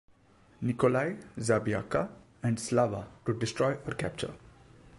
Nikolai", "Zabiaka" and "Slava" to destroy or capture.